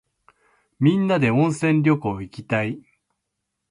みんなで温泉旅行いきたい。